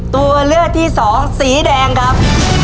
ตัวเลือกที่สองสีแดงครับ